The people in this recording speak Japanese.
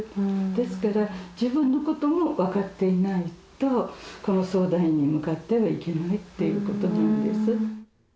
ですから、自分のことも分かっていないと、この相談員に向かってはいけないということなんです。